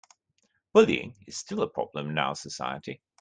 Bullying is still a problem in our society.